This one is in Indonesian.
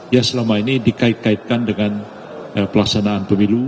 yang selama ini dikait kaitkan dengan pelaksanaan pemilu